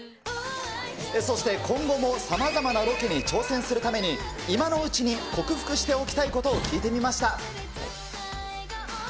そして今後もさまざまなロケに挑戦するために、今のうちに克服しておきたいことを聞いてみました。